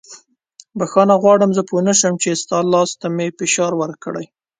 بښنه غواړم زه پوه نه شوم چې ستا لاس ته مې فشار ورکړی.